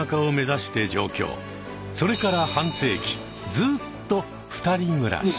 それから半世紀ずっと二人暮らし。